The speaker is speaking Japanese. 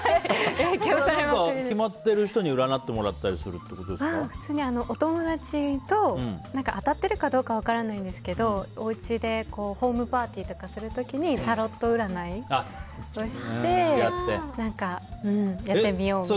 決まってる人に普通に、お友達と当たっているかどうかは分からないんですけど、おうちでホームパーティーとかする時にタロット占いをしてやってみようみたいな。